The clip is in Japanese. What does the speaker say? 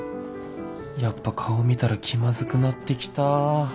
やっぱ顔見たら気まずくなってきた